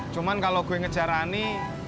cuman kalau gue ngejar ani